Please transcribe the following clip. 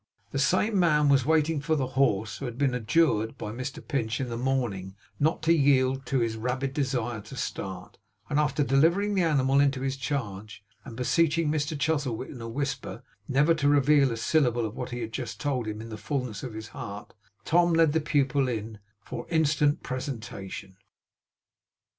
The same man was in waiting for the horse who had been adjured by Mr Pinch in the morning not to yield to his rabid desire to start; and after delivering the animal into his charge, and beseeching Mr Chuzzlewit in a whisper never to reveal a syllable of what he had just told him in the fullness of his heart, Tom led the pupil in, for instant presentation.